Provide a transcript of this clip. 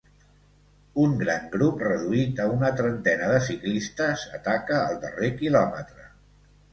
Un gran grup reduït a una trentena de ciclistes ataca el darrer quilòmetre.